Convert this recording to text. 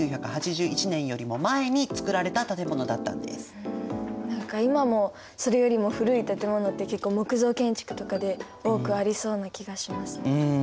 実は何か今もそれよりも古い建物って結構木造建築とかで多くありそうな気がします。